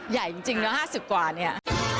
ใหญ่จริงนะ๕๐กว่าเนี่ย